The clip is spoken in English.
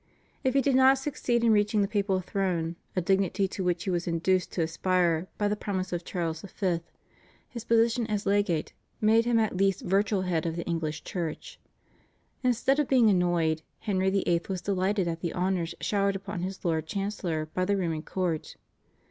If he did not succeed in reaching the papal throne, a dignity to which he was induced to aspire by the promise of Charles V., his position as legate made him at least virtual head of the English Church. Instead of being annoyed, Henry VIII. was delighted at the honours showered upon his Lord Chancellor by the Roman court.